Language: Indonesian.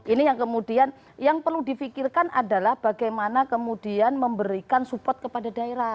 ini yang kemudian yang perlu difikirkan adalah bagaimana kemudian memberikan support kepada daerah